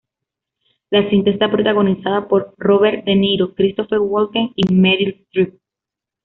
La cinta está protagonizada por Robert De Niro, Christopher Walken y Meryl Streep.